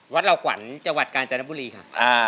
เราขวัญจังหวัดกาญจนบุรีค่ะ